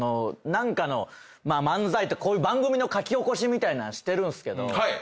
何かの漫才ってこういう番組の書き起こしみたいなしてるんすけど。